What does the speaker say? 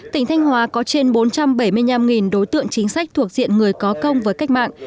tỉnh thanh hóa có trên bốn trăm bảy mươi năm đối tượng chính sách thuộc diện người có công với cách mạng